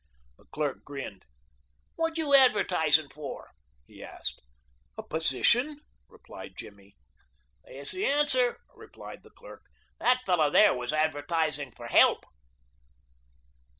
The clerk grinned. "What you advertising for?" he asked. "A position," replied Jimmy. "That's the answer," explained the clerk. "That fellow there was advertising for help."